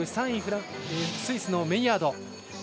３位、スイスのメイヤード。